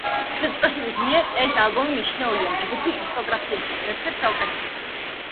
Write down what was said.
კრიტიკოსების მიერ ეს ალბომი მიჩნეულია ჯგუფის დისკოგრაფიაში ერთ-ერთ საუკეთესოდ.